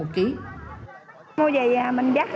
mua gì mình dắt